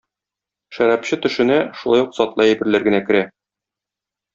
Шәрабчы төшенә шулай ук затлы әйберләр генә керә.